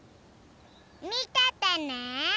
みててね。